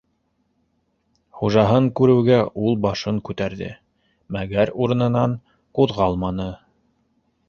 Хужаһын күреүгә ул башын күтәрҙе, мәгәр урынынан ҡуҙғалманы.